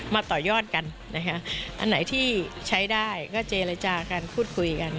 ต่อยอดกันนะคะอันไหนที่ใช้ได้ก็เจรจากันพูดคุยกัน